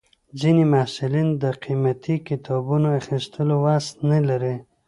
ځینې محصلین د قیمتي کتابونو اخیستو وس نه لري.